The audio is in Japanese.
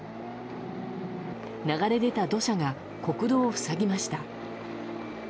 流れ出た土砂が国道を塞ぎました。